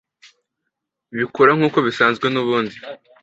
bikora nk'uko bisanzwe nubundi